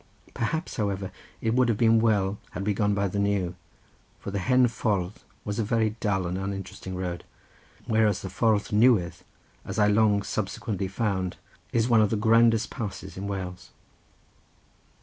Perhaps, however, it would have been well had we gone by the new, for the hen ffordd was a very dull and uninteresting road, whereas the ffordd newydd, as I long subsequently found, is one of the grandest passes in Wales.